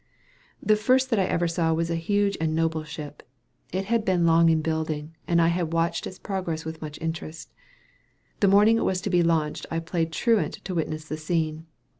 The first that I ever saw was a large and noble ship. It had been long in building, and I had watched its progress with much interest. The morning it was to be launched I played truant to witness the scene.